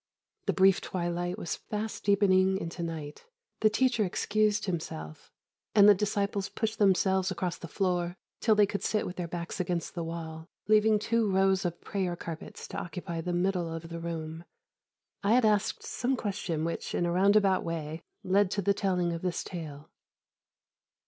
The brief twilight was fast deepening into night. The teacher excused himself, and the disciples pushed themselves across the floor till they could sit with their backs against the wall, leaving two rows of prayer carpets to occupy the middle of the room. I had asked some question which, in a roundabout way, led to the telling of this tale.